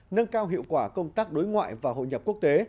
nâng cao hiệu quả công tác đối ngoại và hội nhập quốc tế